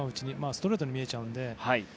ストレートに見えちゃうので。